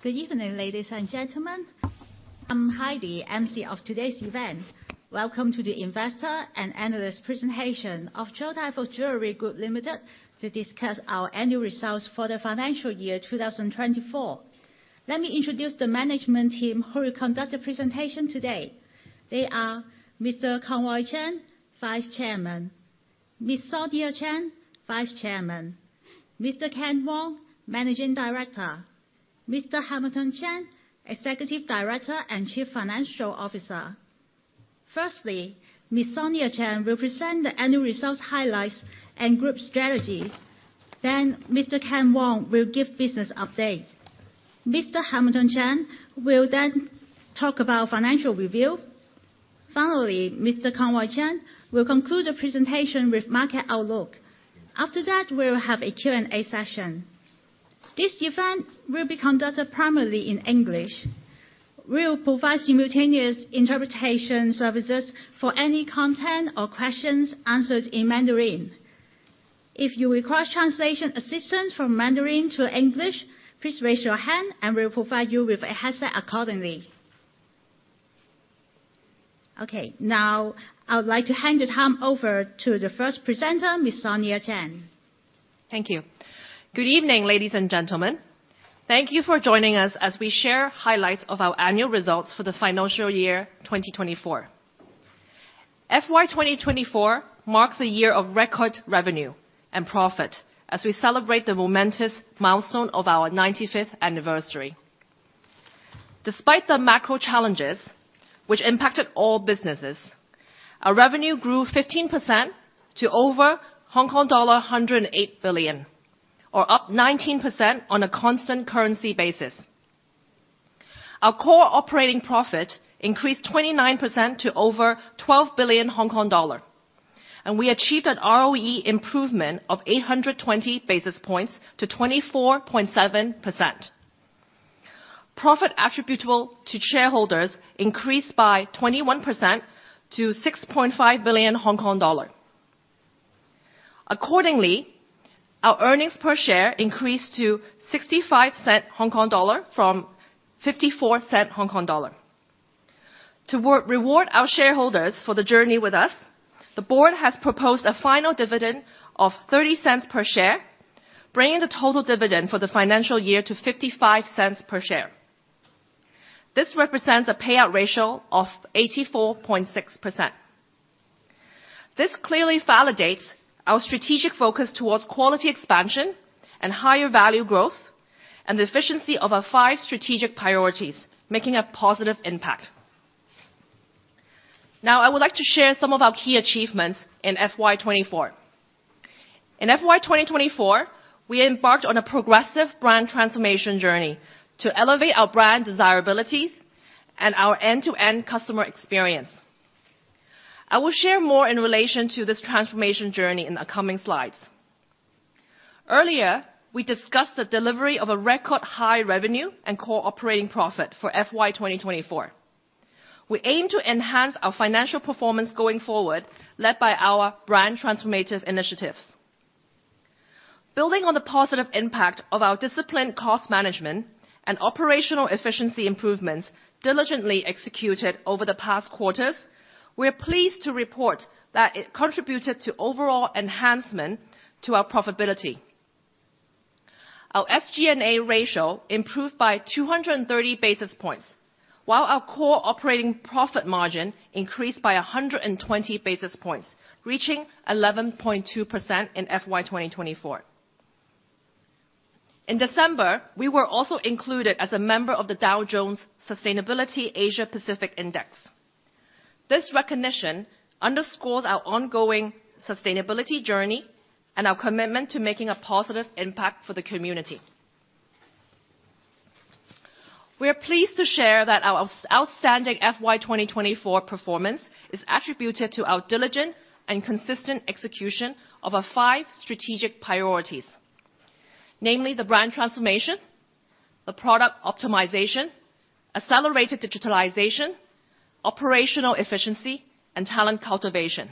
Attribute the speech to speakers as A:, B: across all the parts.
A: Good evening, ladies and gentlemen. I'm Haidi, MC of today's event. Welcome to the investor and analyst presentation of Chow Tai Fook Jewellery Group Limited to discuss our annual results for the financial year 2024. Let me introduce the management team who will conduct the presentation today. They are Mr. Conroy Cheng, Vice-Chairman. Ms. Sonia Cheng, Vice-Chairman. Mr. Kent Wong, Managing Director. Mr. Hamilton Cheng, Executive Director and Chief Financial Officer. Firstly, Ms. Sonia Cheng will present the annual results highlights and group strategies. Then, Mr. Kent Wong will give business updates. Mr. Hamilton Cheng will then talk about financial review. Finally, Mr. Conroy Cheng will conclude the presentation with market outlook. After that, we will have a Q&A session. This event will be conducted primarily in English. We will provide simultaneous interpretation services for any content or questions answered in Mandarin. If you request translation assistance from Mandarin to English, please raise your hand, and we will provide you with a headset accordingly. Okay, now I would like to hand the time over to the first presenter, Ms. Sonia Cheng.
B: Thank you. Good evening, ladies and gentlemen. Thank you for joining us as we share highlights of our annual results for the financial year 2024. FY 2024 marks a year of record revenue and profit as we celebrate the momentous milestone of our 95th anniversary. Despite the macro challenges, which impacted all businesses, our revenue grew 15% to over Hong Kong dollar 108 billion, or up 19% on a constant currency basis. Our core operating profit increased 29% to over 12 billion Hong Kong dollar, and we achieved an ROE improvement of 820 basis points to 24.7%. Profit attributable to shareholders increased by 21% to 6.5 billion Hong Kong dollar. Accordingly, our earnings per share increased to 0.65 from 0.54. To reward our shareholders for the journey with us, the board has proposed a final dividend of 0.30 per share, bringing the total dividend for the financial year to 0.55 per share. This represents a payout ratio of 84.6%. This clearly validates our strategic focus towards quality expansion and higher value growth, and the efficiency of our five strategic priorities, making a positive impact. Now, I would like to share some of our key achievements in FY 2024. In FY 2024, we embarked on a progressive brand transformation journey to elevate our brand desire abilities and our end-to-end customer experience. I will share more in relation to this transformation journey in the coming slides. Earlier, we discussed the delivery of a record high revenue and core operating profit for FY 2024. We aim to enhance our financial performance going forward, led by our brand transformative initiatives. Building on the positive impact of our disciplined cost management and operational efficiency improvements diligently executed over the past quarters, we are pleased to report that it contributed to overall enhancement to our profitability. Our SG&A ratio improved by 230 basis points, while our core operating profit margin increased by 120 basis points, reaching 11.2% in FY 2024. In December, we were also included as a member of the Dow Jones Sustainability Asia-Pacific Index. This recognition underscores our ongoing sustainability journey and our commitment to making a positive impact for the community. We are pleased to share that our outstanding FY 2024 performance is attributed to our diligent and consistent execution of our five strategic priorities, namely the brand transformation, the product optimization, accelerated digitalization, operational efficiency, and talent cultivation.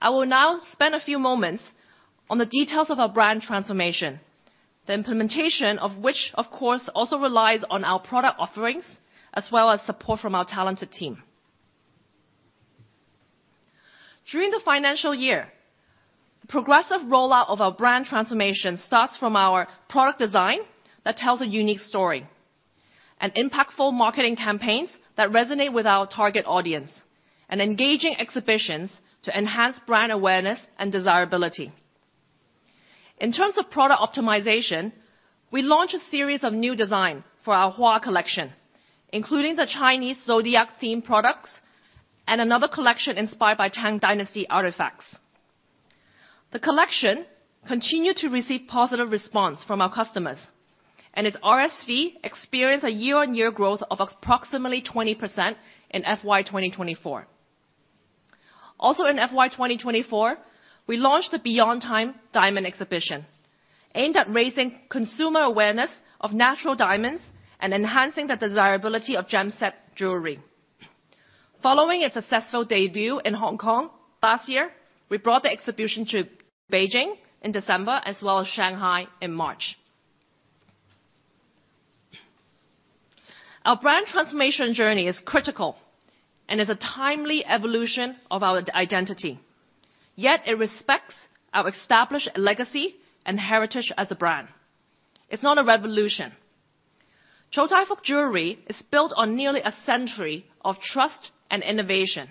B: I will now spend a few moments on the details of our brand transformation, the implementation of which, of course, also relies on our product offerings, as well as support from our talented team. During the financial year, the progressive rollout of our brand transformation starts from our product design that tells a unique story, impactful marketing campaigns that resonate with our target audience, and engaging exhibitions to enhance brand awareness and desirability. In terms of product optimization, we launched a series of new designs for our HUÁ Collection, including the Chinese Zodiac Theme products and another collection inspired by Tang Dynasty artifacts. The collection continued to receive positive responses from our customers, and its RSV experienced a year-on-year growth of approximately 20% in FY 2024. Also, in FY 2024, we launched the Beyond Time diamond exhibition, aimed at raising consumer awareness of natural diamonds and enhancing the desirability of gem-set jewelry. Following its successful debut in Hong Kong last year, we brought the exhibition to Beijing in December, as well as Shanghai in March. Our brand transformation journey is critical and is a timely evolution of our identity, yet it respects our established legacy and heritage as a brand. It's not a revolution. Chow Tai Fook Jewellery is built on nearly a century of trust and innovation.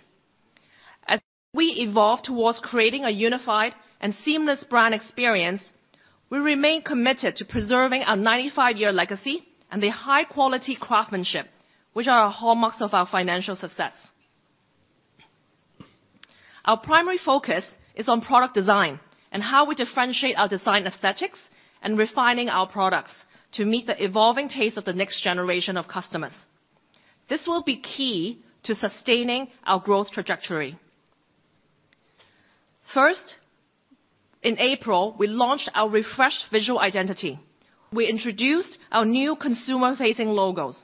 B: As we evolve towards creating a unified and seamless brand experience, we remain committed to preserving our 95-year legacy and the high-quality craftsmanship, which are hallmarks of our financial success. Our primary focus is on product design and how we differentiate our design aesthetics and refining our products to meet the evolving tastes of the next generation of customers. This will be key to sustaining our growth trajectory. First, in April, we launched our refreshed visual identity. We introduced our new consumer-facing logos.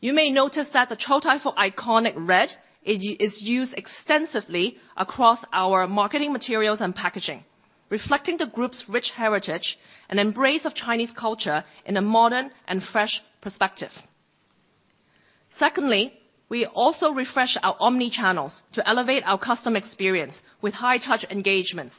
B: You may notice that the Chow Tai Fook iconic red is used extensively across our marketing materials and packaging, reflecting the group's rich heritage and embrace of Chinese culture in a modern and fresh perspective. Secondly, we also refreshed our omni-channels to elevate our customer experience with high-touch engagements.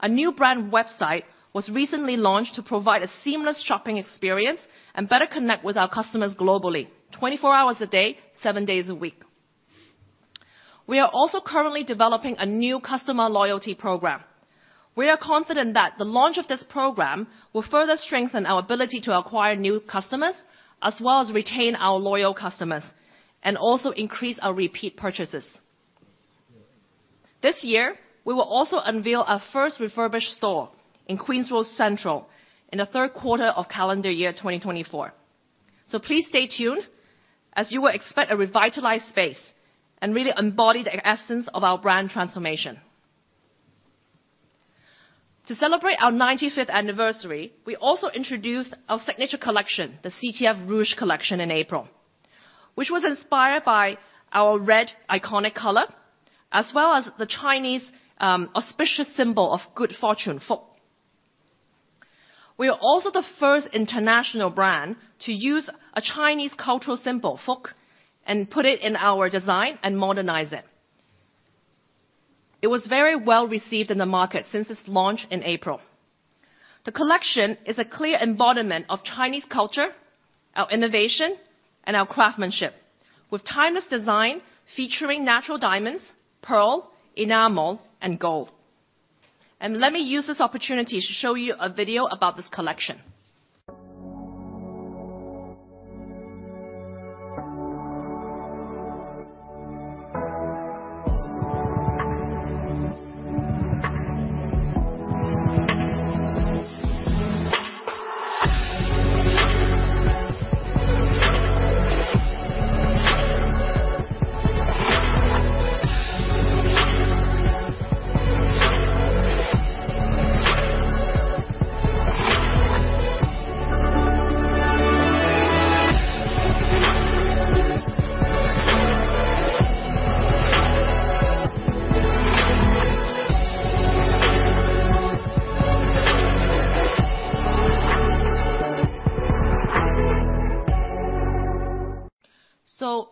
B: A new brand website was recently launched to provide a seamless shopping experience and better connect with our customers globally, 24 hours a day, seven days a week. We are also currently developing a new customer loyalty program. We are confident that the launch of this program will further strengthen our ability to acquire new customers, as well as retain our loyal customers, and also increase our repeat purchases. This year, we will also unveil our first refurbished store in Queen's Road Central in the third quarter of calendar year 2024. So please stay tuned, as you will expect a revitalized space and really embody the essence of our brand transformation. To celebrate our 95th anniversary, we also introduced our signature collection, the CTF Rouge Collection in April, which was inspired by our red iconic color, as well as the Chinese auspicious symbol of good fortune, Fuk. We are also the first international brand to use a Chinese cultural symbol, Fuk, and put it in our design and modernize it. It was very well received in the market since its launch in April. The collection is a clear embodiment of Chinese culture, our innovation, and our craftsmanship, with timeless design featuring natural diamonds, pearl, enamel, and gold. And let me use this opportunity to show you a video about this collection.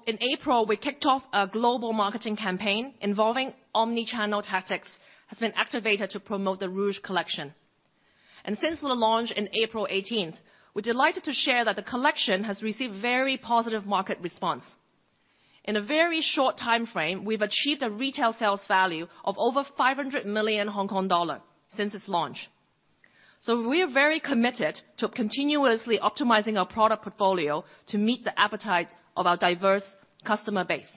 B: In April, we kicked off a global marketing campaign involving omni-channel tactics that has been activated to promote the Rouge Collection. Since the launch on April 18, we're delighted to share that the collection has received very positive market response. In a very short time frame, we've achieved a retail sales value of over 500 million Hong Kong dollar since its launch. We are very committed to continuously optimizing our product portfolio to meet the appetite of our diverse customer base.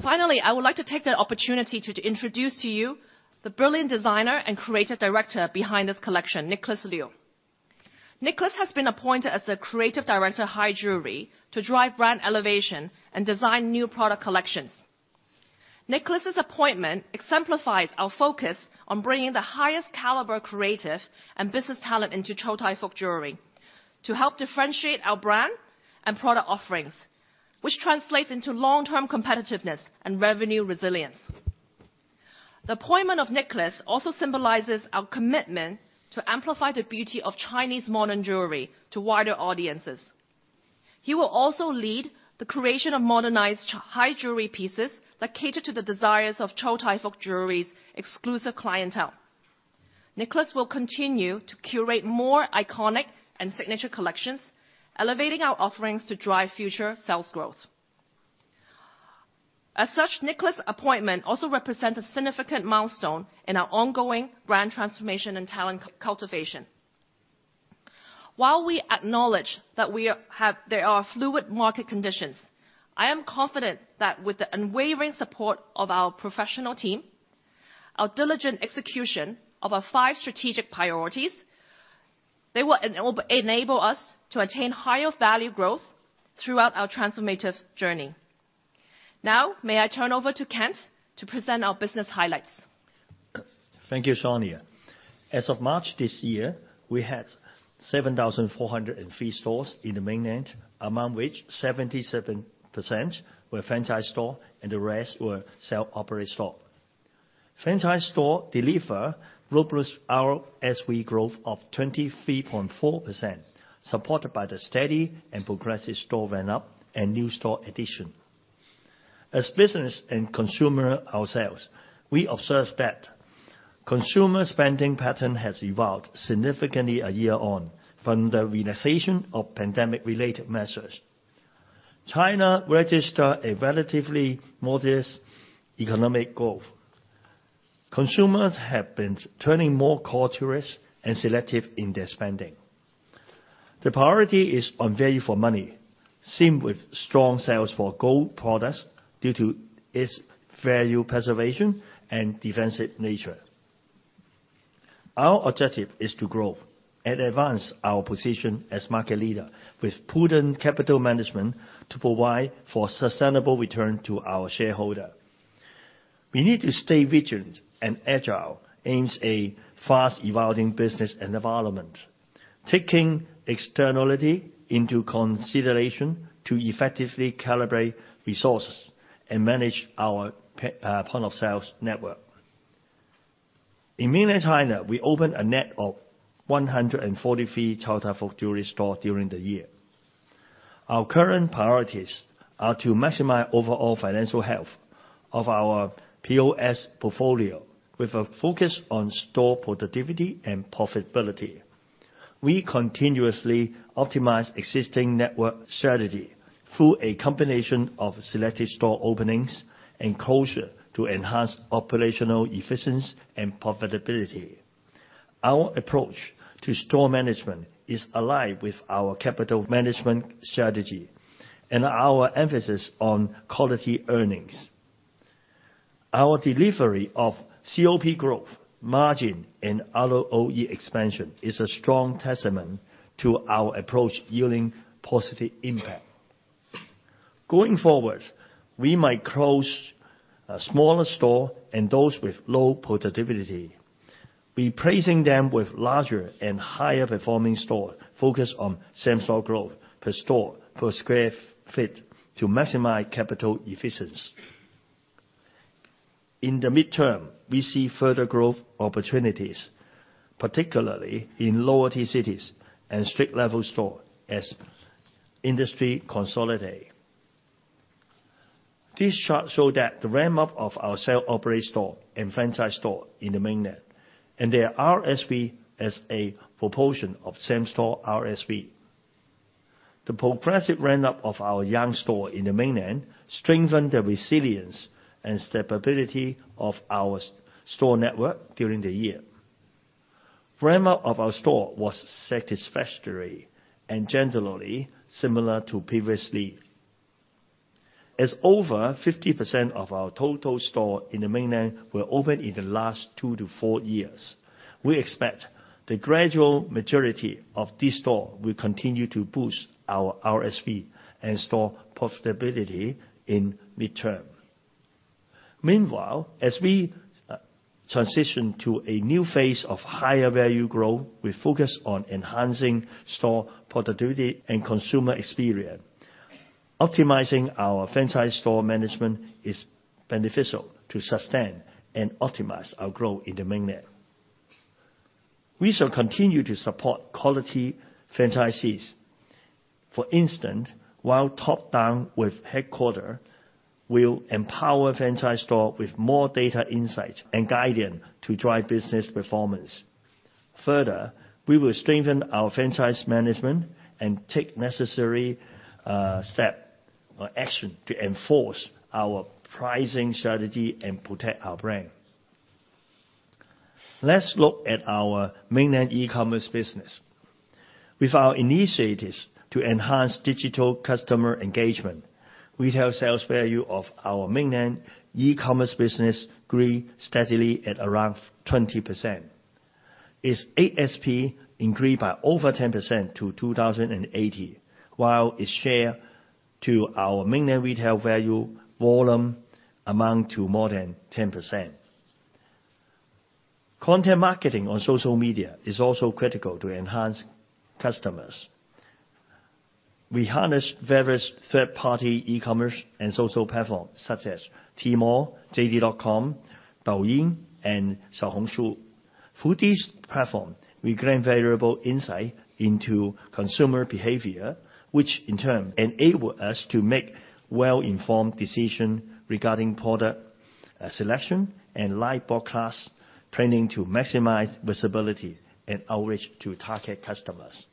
B: Finally, I would like to take the opportunity to introduce to you the brilliant designer and creative director behind this collection, Nicholas Lieou. Nicholas has been appointed as the creative director of High Jewellery to drive brand elevation and design new product collections. Nicholas's appointment exemplifies our focus on bringing the highest caliber creative and business talent into Chow Tai Fook Jewellery to help differentiate our brand and product offerings, which translates into long-term competitiveness and revenue resilience. The appointment of Nicholas also symbolizes our commitment to amplify the beauty of Chinese modern jewelry to wider audiences. He will also lead the creation of modernized High Jewellery pieces that cater to the desires of Chow Tai Fook Jewellery's exclusive clientele. Nicholas will continue to curate more iconic and signature collections, elevating our offerings to drive future sales growth. As such, Nicholas's appointment also represents a significant milestone in our ongoing brand transformation and talent cultivation. While we acknowledge that there are fluid market conditions, I am confident that with the unwavering support of our professional team, our diligent execution of our five strategic priorities, they will enable us to attain higher value growth throughout our transformative journey. Now, may I turn over to Kent to present our business highlights?
C: Thank you, Sonia. As of March this year, we had 7,403 stores in the mainland, among which 77% were franchise stores, and the rest were self-operated stores. Franchise stores delivered robust RSV growth of 23.4%, supported by the steady and progressive store run-up and new store additions. As business and consumer ourselves, we observed that consumer spending patterns have evolved significantly a year on from the relaxation of pandemic-related measures. China registered a relatively modest economic growth. Consumers have been turning more cautious and selective in their spending. The priority is on value for money, seen with strong sales for gold products due to its value preservation and defensive nature. Our objective is to grow and advance our position as market leader with prudent capital management to provide for a sustainable return to our shareholders. We need to stay vigilant and agile amidst a fast-evolving business environment, taking externality into consideration to effectively calibrate resources and manage our point-of-sale network. In Mainland China, we opened a net of 143 Chow Tai Fook Jewellery stores during the year. Our current priorities are to maximize overall financial health of our POS portfolio with a focus on store productivity and profitability. We continuously optimize existing network strategy through a combination of selective store openings and closures to enhance operational efficiency and profitability. Our approach to store management is aligned with our capital management strategy and our emphasis on quality earnings. Our delivery of COP growth, margin, and ROE expansion is a strong testament to our approach yielding positive impact. Going forward, we might close smaller stores and those with low productivity, replacing them with larger and higher-performing stores focused on same-store growth per store per sq ft to maximize capital efficiency. In the midterm, we see further growth opportunities, particularly in lower-tier cities and street-level stores as industry consolidates. This chart shows that the run-up of our self-operated stores and franchise stores in the mainland, and their RSV has a proportion of same-store RSV. The progressive run-up of our Yang stores in the mainland strengthened the resilience and stability of our store network during the year. Run-up of our stores was satisfactory and generally similar to previously. As over 50% of our total stores in the mainland were opened in the last 2-4 years, we expect the gradual maturity of these stores will continue to boost our RSV and store profitability in midterm. Meanwhile, as we transition to a new phase of higher value growth, we focus on enhancing store productivity and consumer experience. Optimizing our franchise store management is beneficial to sustain and optimize our growth in the mainland. We shall continue to support quality franchisees. For instance, while top-down with headquarters, we'll empower franchise stores with more data insights and guidance to drive business performance. Further, we will strengthen our franchise management and take necessary steps or actions to enforce our pricing strategy and protect our brand. Let's look at our mainland e-commerce business. With our initiatives to enhance digital customer engagement, retail sales value of our mainland e-commerce business grew steadily at around 20%. Its ASP increased by over 10% to 2,080, while its share to our mainland retail value volume amounted to more than 10%. Content marketing on social media is also critical to enhance customers. We harness various third-party e-commerce and social platforms such as Tmall, JD.com, Douyin, and Xiaohongshu. Through these platforms, we gain valuable insights into consumer behavior, which in turn enables us to make well-informed decisions regarding product selection and live broadcast training to maximize visibility and outreach to target customers.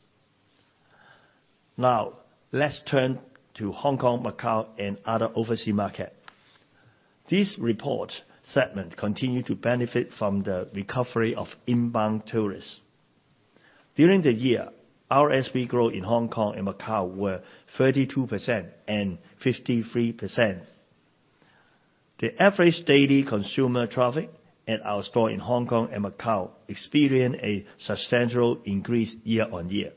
C: Now, let's turn to Hong Kong, Macau, and other overseas markets. These reports' segments continue to benefit from the recovery of inbound tourists. During the year, RSV growth in Hong Kong and Macau was 32% and 53%. The average daily consumer traffic at our stores in Hong Kong and Macau experienced a substantial increase year-over-year,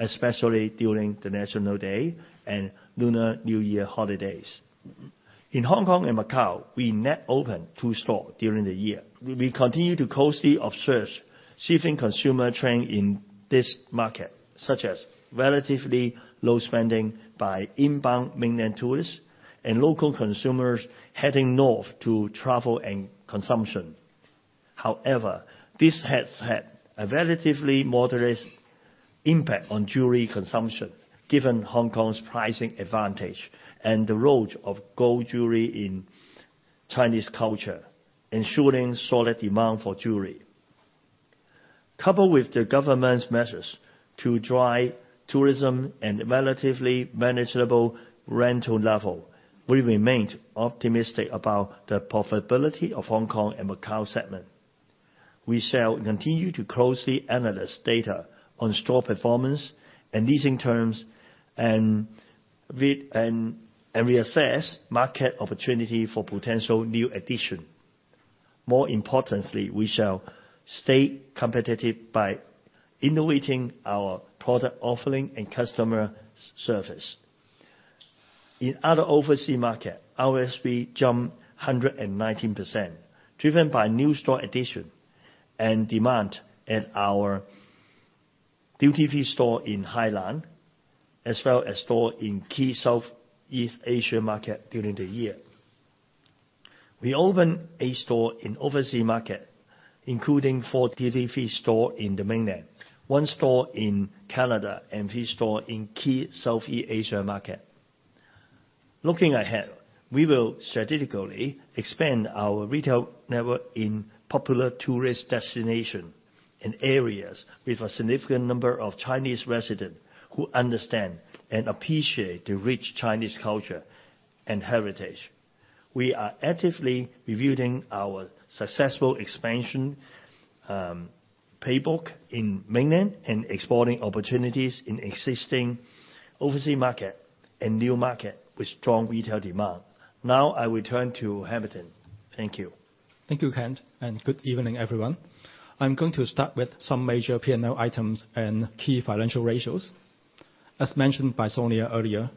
C: especially during the National Day and Lunar New Year holidays. In Hong Kong and Macau, we net opened two stores during the year. We continue to closely observe shifting consumer trends in this market, such as relatively low spending by inbound mainland tourists and local consumers heading north to travel and consumption. However, this has had a relatively moderate impact on jewelry consumption, given Hong Kong's pricing advantage and the role of gold jewelry in Chinese culture, ensuring solid demand for jewelry. Coupled with the government's measures to drive tourism and relatively manageable rental levels, we remain optimistic about the profitability of Hong Kong and Macau segments. We shall continue to closely analyze data on store performance and leasing terms and reassess market opportunities for potential new additions. More importantly, we shall stay competitive by innovating our product offering and customer service. In other overseas markets, RSV jumped 119%, driven by new store additions and demand at our Duty Free stores in Hainan, as well as stores in key Southeast Asia market during the year. We opened eight stores in overseas markets, including four Duty Free stores in the mainland, one store in Canada, and three stores in key Southeast Asia market. Looking ahead, we will strategically expand our retail network in popular tourist destinations and areas with a significant number of Chinese residents who understand and appreciate the rich Chinese culture and heritage. We are actively reviewing our successful expansion playbook in mainland and exploring opportunities in existing overseas markets and new markets with strong retail demand. Now, I will turn to Hamilton. Thank you.
D: Thank you, Kent, and good evening, everyone. I'm going to start with some major P&L items and key financial ratios. As mentioned by Sonia earlier,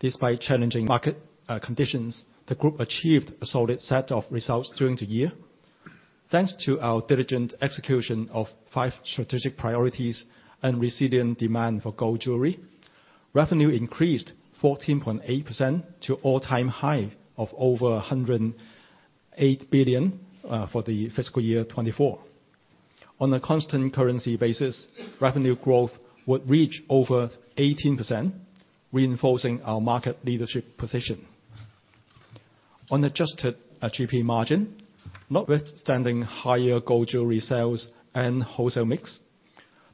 D: despite challenging market conditions, the group achieved a solid set of results during the year. Thanks to our diligent execution of five strategic priorities and resilient demand for gold jewelry, revenue increased 14.8% to an all-time high of over HK$108 billion for the FY 2024. On a constant currency basis, revenue growth would reach over 18%, reinforcing our market leadership position. On adjusted GP margin, notwithstanding higher gold jewelry sales and wholesale mix,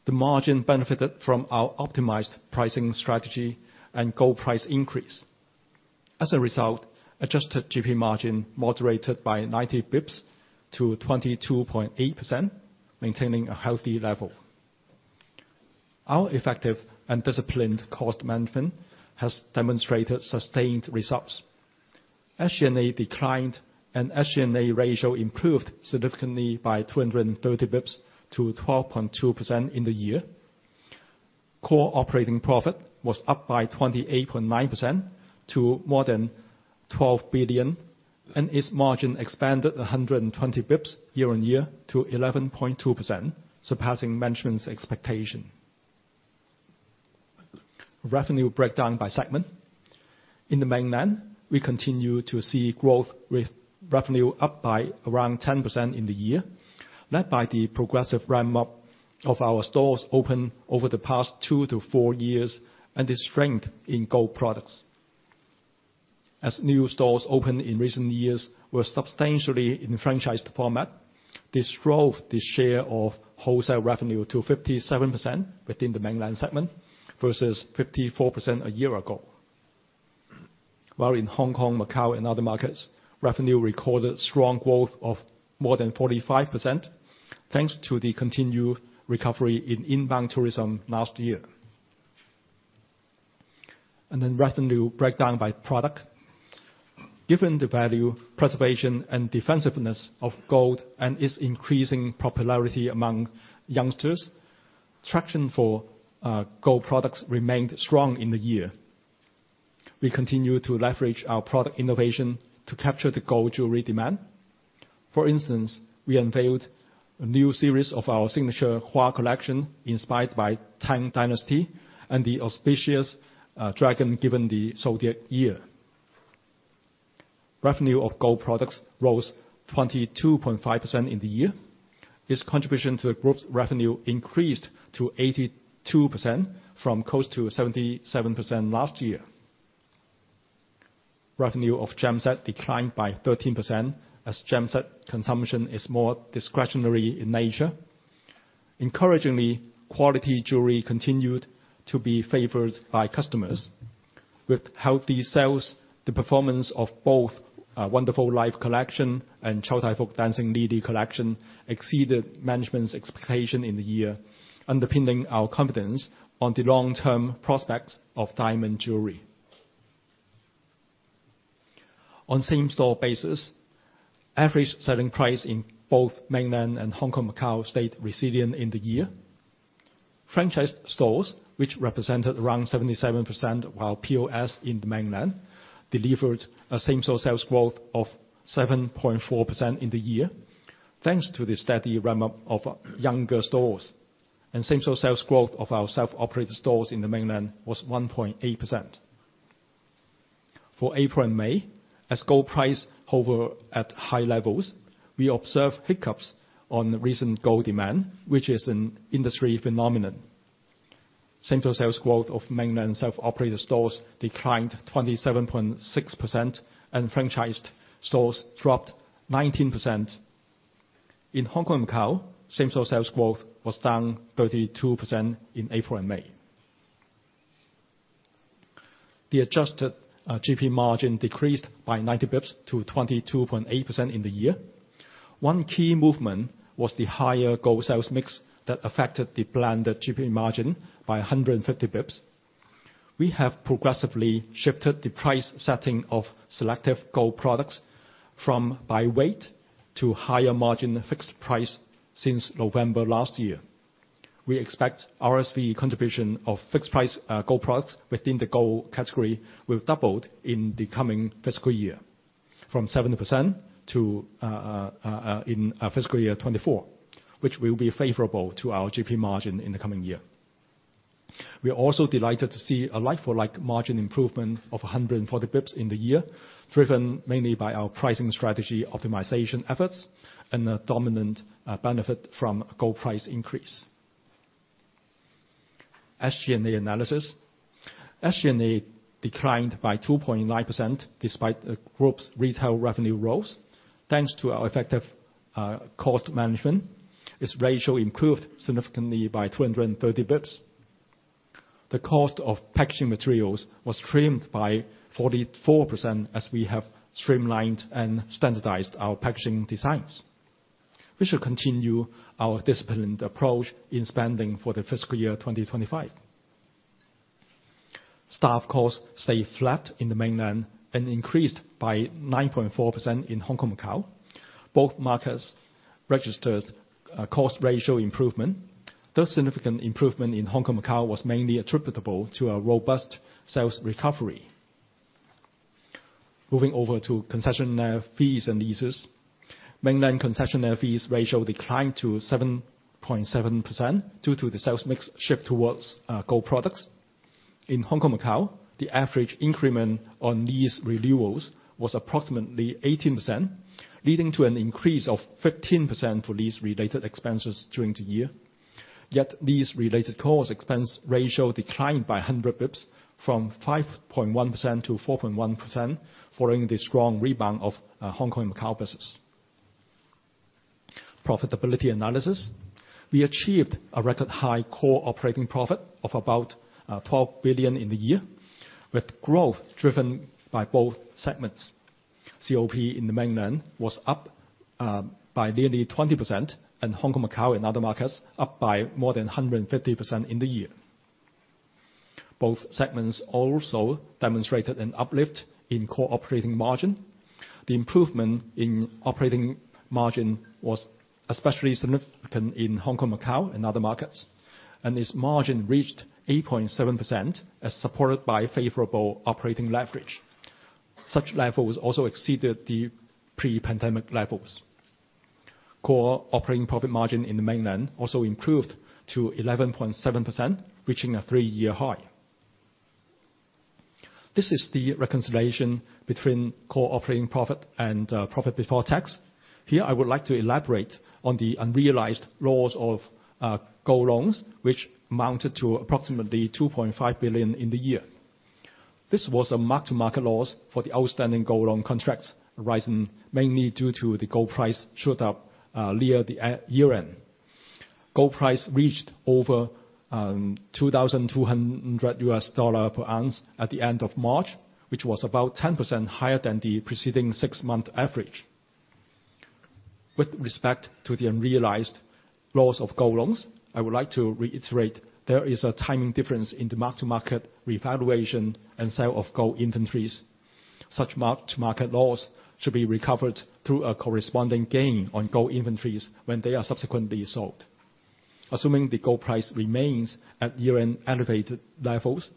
D: the margin benefited from our optimized pricing strategy and gold price increase. As a result, adjusted GP margin moderated by 90 basis points to 22.8%, maintaining a healthy level. Our effective and disciplined cost management has demonstrated sustained results. SG&A declined, and SG&A ratio improved significantly by 230 basis points to 12.2% in the year. Core operating profit was up by 28.9% to more than 12 billion, and its margin expanded 120 basis points year-on-year to 11.2%, surpassing management's expectation. Revenue breakdown by segment. In the mainland, we continue to see growth with revenue up by around 10% in the year, led by the progressive run-up of our stores opened over the past two to four years and the strength in gold products. As new stores opened in recent years were substantially in franchise format, this drove the share of wholesale revenue to 57% within the mainland segment versus 54% a year ago. While in Hong Kong, Macau, and other markets, revenue recorded strong growth of more than 45%, thanks to the continued recovery in inbound tourism last year. And then revenue breakdown by product. Given the value preservation and defensiveness of gold and its increasing popularity among youngsters, attraction for gold products remained strong in the year. We continue to leverage our product innovation to capture the gold jewelry demand. For instance, we unveiled a new series of our signature HUÁ Collection inspired by Tang Dynasty and the auspicious dragon given the zodiac year. Revenue of gold products rose 22.5% in the year. Its contribution to the group's revenue increased to 82% from close to 77% last year. Revenue of gem-set declined by 13%, as gem-set consumption is more discretionary in nature. Encouragingly, quality jewelry continued to be favoured by customers. With healthy sales, the performance of both Wonderful Life Collection and Chow Tai Fook Dancing Beauty Collection exceeded management's expectations in the year, underpinning our confidence on the long-term prospects of diamond jewelry. On same-store basis, average selling price in both mainland and Hong Kong, Macau stayed resilient in the year. Franchise stores, which represented around 77% of POS in the mainland, delivered a same-store sales growth of 7.4% in the year, thanks to the steady run-up of younger stores. Same-store sales growth of our self-operated stores in the mainland was 1.8%. For April and May, as gold prices hover at high levels, we observed hiccups on recent gold demand, which is an industry phenomenon. Same-store sales growth of mainland self-operated stores declined 27.6%, and franchised stores dropped 19%. In Hong Kong and Macau, same-store sales growth was down 32% in April and May. The adjusted GP margin decreased by 90 basis points to 22.8% in the year. One key movement was the higher gold sales mix that affected the blended GP margin by 150 basis points. We have progressively shifted the price setting of selective gold products from by weight to higher margin fixed price since November last year. We expect RSV contribution of fixed-price gold products within the gold category will double in the coming FY, from 7% in FY 2024, which will be favorable to our GP margin in the coming year. We are also delighted to see a like-for-like margin improvement of 140 basis points in the year, driven mainly by our pricing strategy optimization efforts and a dominant benefit from gold price increase. SG&A analysis. SG&A declined by 2.9% despite the group's retail revenue growth. Thanks to our effective cost management, its ratio improved significantly by 230 basis points. The cost of packaging materials was trimmed by 44% as we have streamlined and standardized our packaging designs. We shall continue our disciplined approach in spending for the FY 2025. Staff costs stayed flat in the mainland and increased by 9.4% in Hong Kong, Macau. Both markets registered cost ratio improvement. This significant improvement in Hong Kong, Macau was mainly attributable to a robust sales recovery. Moving over to concessionaire fees and leases. Mainland concessionaire fees ratio declined to 7.7% due to the sales mix shift towards gold products. In Hong Kong, Macau, the average increment on lease renewals was approximately 18%, leading to an increase of 15% for lease-related expenses during the year. Yet lease-related cost expense ratio declined by 100 basis points, from 5.1% to 4.1% following the strong rebound of Hong Kong, Macau business. Profitability analysis. We achieved a record-high core operating profit of about 12 billion in the year, with growth driven by both segments. COP in the mainland was up by nearly 20%, and Hong Kong, Macau and other markets up by more than 150% in the year. Both segments also demonstrated an uplift in core operating margin. The improvement in operating margin was especially significant in Hong Kong, Macau and other markets, and its margin reached 8.7%, as supported by favorable operating leverage. Such levels also exceeded the pre-pandemic levels. Core operating profit margin in the mainland also improved to 11.7%, reaching a three-year high. This is the reconciliation between core operating profit and profit before tax. Here, I would like to elaborate on the unrealized loss of gold loans, which amounted to approximately 2.5 billion in the year. This was a mark-to-market loss for the outstanding gold loan contracts, arising mainly due to the gold price shoot-up near the year-end. Gold price reached over HKD 2,200 per ounce at the end of March, which was about 10% higher than the preceding six-month average. With respect to the unrealized loss of gold loans, I would like to reiterate there is a timing difference in the mark-to-market revaluation and sale of gold inventories. Such mark-to-market loss should be recovered through a corresponding gain on gold inventories when they are subsequently sold. Assuming the gold price remains at year-end elevated levels,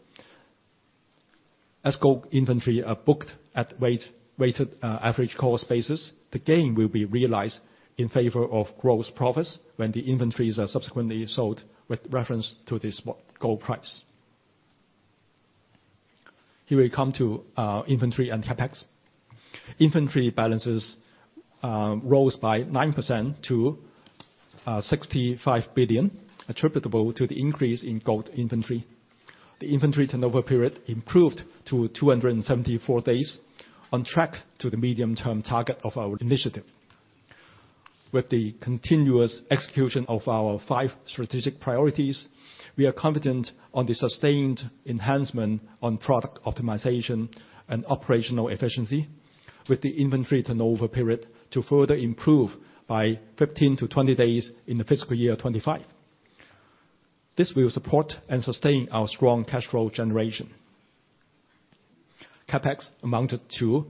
D: as gold inventory are booked at weighted average cost basis, the gain will be realized in favor of gross profits when the inventories are subsequently sold with reference to this gold price. Here we come to inventory and CapEx. Inventory balances rose by 9% to 65 billion, attributable to the increase in gold inventory. The inventory turnover period improved to 274 days, on track to the medium-term target of our initiative. With the continuous execution of our five strategic priorities, we are confident on the sustained enhancement on product optimization and operational efficiency, with the inventory turnover period to further improve by 15-20 days in the FY 2025. This will support and sustain our strong cash flow generation. CapEx amounted to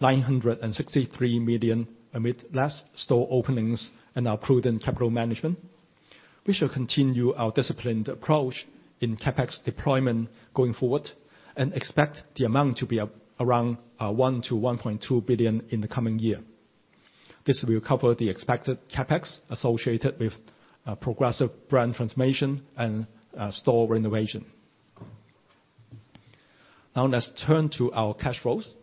D: 963 million amid less store openings and our prudent capital management. We shall continue our disciplined approach in CapEx deployment going forward and expect the amount to be around 1 billion-1.2 billion in the coming year. This will cover the expected CapEx associated with progressive brand transformation and store renovation. Now, let's turn to our cash flows.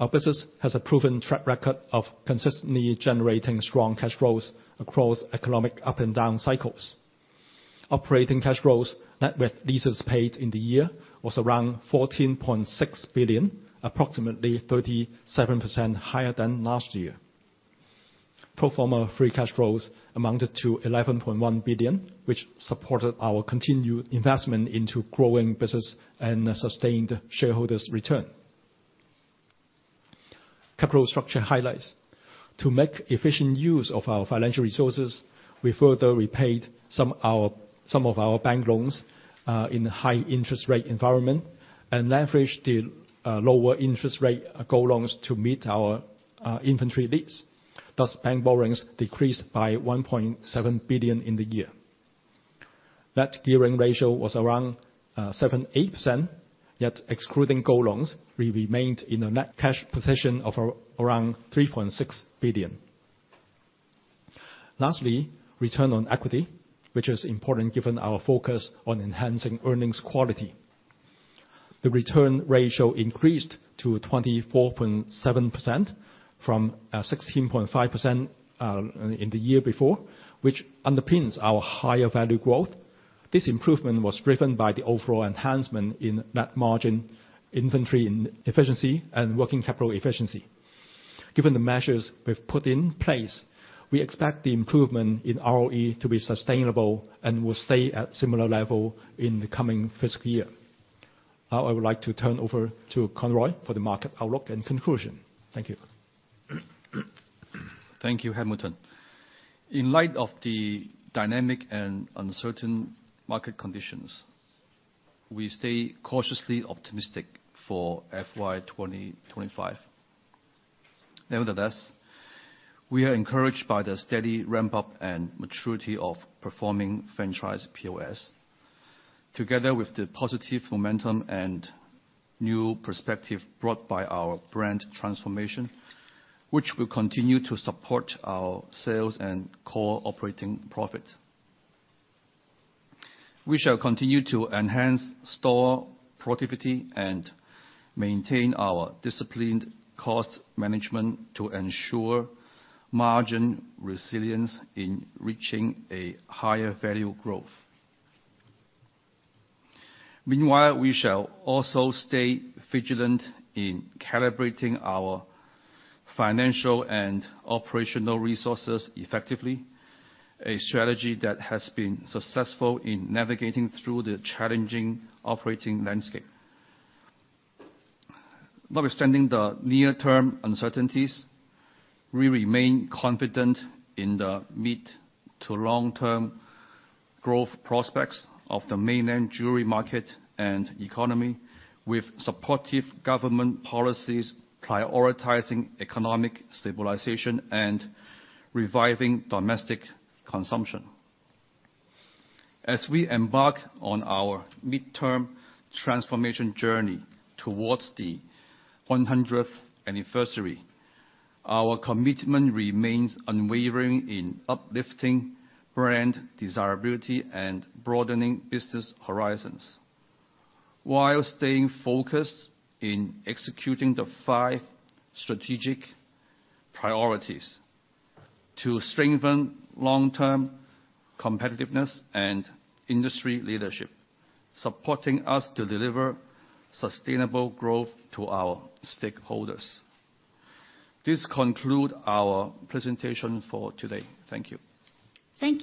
D: Our business has a proven track record of consistently generating strong cash flows across economic up-and-down cycles. Operating cash flows net with leases paid in the year was around 14.6 billion, approximately 37% higher than last year. Proforma free cash flows amounted to 11.1 billion, which supported our continued investment into growing business and a sustained shareholders' return. Capital structure highlights. To make efficient use of our financial resources, we further repaid some of our bank loans in a high-interest rate environment and leveraged the lower-interest rate gold loans to meet our inventory needs. Thus, bank borrowings decreased by 1.7 billion in the year. Net gearing ratio was around 7%-8%, yet excluding gold loans, we remained in a net cash position of around 3.6 billion. Lastly, return on equity, which is important given our focus on enhancing earnings quality. The return ratio increased to 24.7% from 16.5% in the year before, which underpins our higher value growth. This improvement was driven by the overall enhancement in net margin, inventory efficiency, and working capital efficiency. Given the measures we've put in place, we expect the improvement in ROE to be sustainable and will stay at a similar level in the coming FY. Now, I would like to turn over to Conroy for the market outlook and conclusion.
E: Thank you. Thank you, Hamilton. In light of the dynamic and uncertain market conditions, we stay cautiously optimistic for FY 2025. Nevertheless, we are encouraged by the steady ramp-up and maturity of performing franchise POS, together with the positive momentum and new perspective brought by our brand transformation, which will continue to support our sales and core operating profit. We shall continue to enhance store productivity and maintain our disciplined cost management to ensure margin resilience in reaching a higher value growth. Meanwhile, we shall also stay vigilant in calibrating our financial and operational resources effectively, a strategy that has been successful in navigating through the challenging operating landscape. Notwithstanding the near-term uncertainties, we remain confident in the mid- to long-term growth prospects of the mainland jewelry market and economy, with supportive government policies prioritizing economic stabilization and reviving domestic consumption. As we embark on our mid-term transformation journey towards the 100th anniversary, our commitment remains unwavering in uplifting brand desirability and broadening business horizons.
D: While staying focused in executing the five strategic priorities to strengthen long-term competitiveness and industry leadership, supporting us to deliver sustainable growth to our stakeholders. This concludes our presentation for today. Thank you.
A: Thank you.